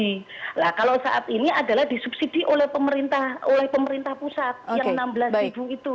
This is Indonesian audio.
nah kalau saat ini adalah disubsidi oleh pemerintah pusat yang rp enam belas itu